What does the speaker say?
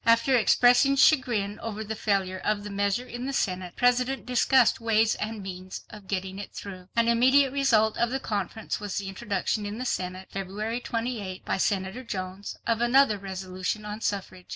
After expressing chagrin over the failure of the measure in the Senate, the President discussed ways and means of getting it through. An immediate result of the conference was the introduction in the Senate, February 28th, by Senator Jones, of another resolution on suffrage.